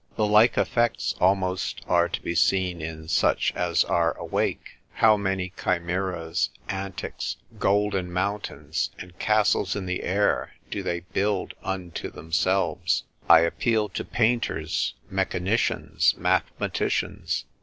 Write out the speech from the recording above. The like effects almost are to be seen in such as are awake: how many chimeras, antics, golden mountains and castles in the air do they build unto themselves? I appeal to painters, mechanicians, mathematicians.